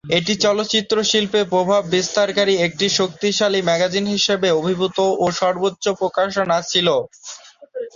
এটি চলচ্চিত্র শিল্পে প্রভাব বিস্তারকারী একটি শক্তিশালী ম্যাগাজিন হিসেবে আবির্ভূত ও সর্বোচ্চ প্রকাশনা ছিল।